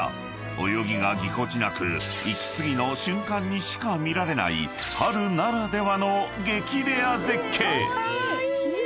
［泳ぎがぎこちなく息継ぎの瞬間にしか見られない春ならではの激レア絶景］